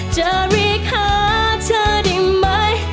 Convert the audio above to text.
จะรีบหาเธอได้ไหม